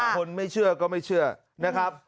คนไม่เชื่อก็ไม่เชื่อนะครับ